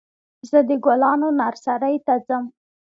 زه د ګلانو نرسرۍ ته ځم.